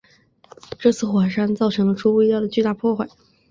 这次山火造成了出乎意料的巨大破坏。